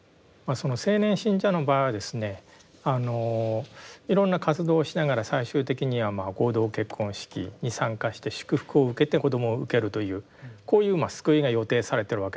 青年信者の場合はですねあのいろんな活動をしながら最終的には合同結婚式に参加して祝福を受けて子どもを受けるというこういう救いが予定されてるわけですよね。